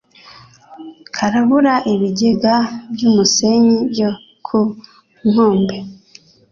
karabura ibigega by'umusenyi byo ku nkombe .